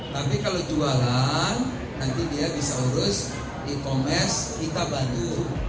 tapi kalau jualan nanti dia bisa urus e commerce kita bantu